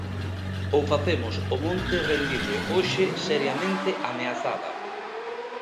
Ou facemos o monte rendible hoxe seriamente ameazada.